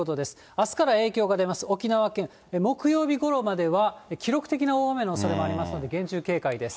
あすから影響が出ます、沖縄県、木曜日ごろまでは記録的な大雨のおそれもありますので、厳重警戒です。